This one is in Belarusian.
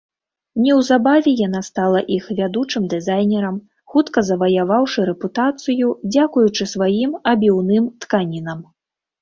Неўзабаве яна стала іх вядучым дызайнерам, хутка заваяваўшы рэпутацыю дзякуючы сваім абіўным тканінам.